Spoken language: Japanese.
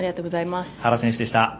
原選手でした。